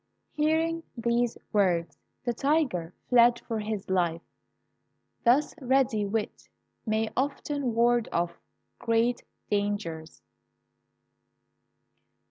Hearing these words, the tiger fled for his life. Thus ready wit may often ward off great dangers.